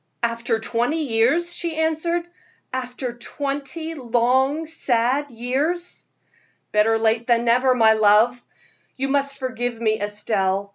"After twenty years!" she answered "after twenty long, sad years." "Better late than never, my love. You must forgive me, Estelle.